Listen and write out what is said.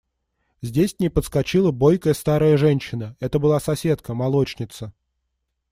Здесь к ней подскочила бойкая старая женщина – это была соседка, молочница.